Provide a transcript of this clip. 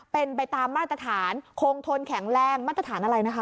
เป็นไปตามมาตรฐานคงทนแข็งแรงมาตรฐานอะไรนะคะ